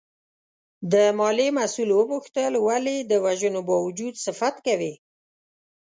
د مالیې مسوول وپوښتل ولې د وژنو باوجود صفت کوې؟